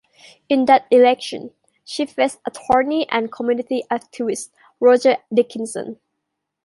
In that election, she faced attorney and community activist Roger Dickinson.